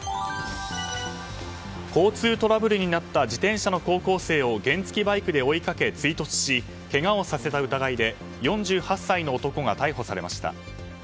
交通トラブルになった自転車の高校生を原付きバイクで追いかけ追突しけがをさせた疑いで４８歳の男が逮捕されました。